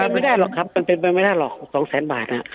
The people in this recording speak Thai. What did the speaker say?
มันเป็นไม่ได้หรอกครับมันเป็นไม่ได้หรอกสองแสนบาทน่ะ